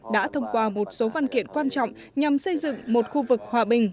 đã thông qua một số văn kiện quan trọng nhằm xây dựng một khu vực hòa bình